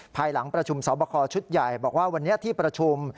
ภายหลังประชุมสอบคอชุดใหญ่บอกว่าวันนี้ที่ประชุม